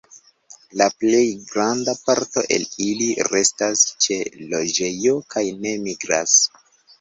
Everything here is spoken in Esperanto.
La plej granda parto el ili restas ĉe loĝejo kaj ne migras.